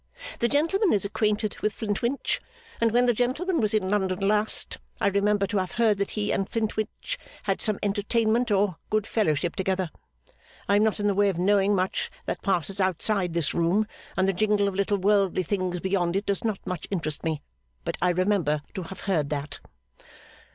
'The gentleman is acquainted with Flintwinch; and when the gentleman was in London last, I remember to have heard that he and Flintwinch had some entertainment or good fellowship together. I am not in the way of knowing much that passes outside this room, and the jingle of little worldly things beyond it does not much interest me; but I remember to have heard that.